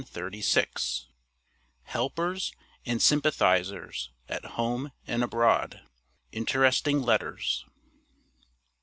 HELPERS AND SYMPATHIZERS AT HOME AND ABROAD INTERESTING LETTERS.